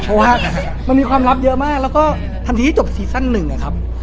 เพราะว่ามันมีความลับเยอะมากแล้วก็ทันทีที่จบซีซั่นหนึ่งนะครับ